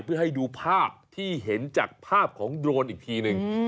เพื่อให้ดูภาพที่เห็นจากภาพของโดรนอีกทีหนึ่ง